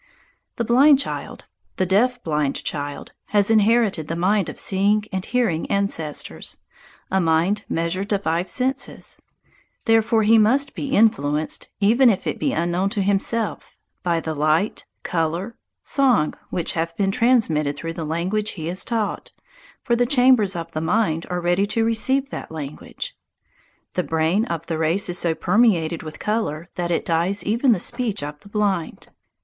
The blind child the deaf blind child has inherited the mind of seeing and hearing ancestors a mind measured to five senses. Therefore he must be influenced, even if it be unknown to himself, by the light, colour, song which have been transmitted through the language he is taught, for the chambers of the mind are ready to receive that language. The brain of the race is so permeated with colour that it dyes even the speech of the blind.